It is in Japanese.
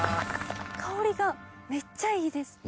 香りがめっちゃいいです。